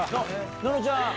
ののちゃん。